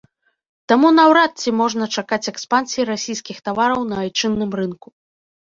Таму наўрад ці можна чакаць экспансіі расійскіх тавараў на айчынным рынку.